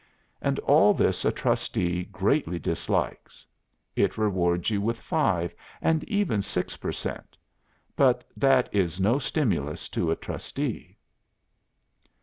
And all this a trustee greatly dislikes. It rewards you with five and even six per cent, but that is no stimulus to a trustee.